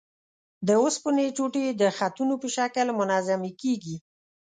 د اوسپنې ټوټې د خطونو په شکل منظمې کیږي.